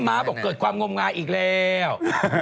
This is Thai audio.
้าบอกเกิดความงมงายอีกแล้ว